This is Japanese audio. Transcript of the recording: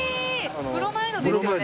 プロマイドですよね。